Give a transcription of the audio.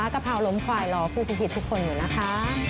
กะเพราล้มควายรอผู้พิชิตทุกคนอยู่นะคะ